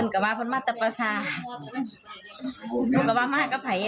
ในมุมความเชื่อ